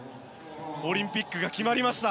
オリンピックが決まりました。